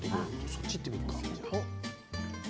そっちいってみるか。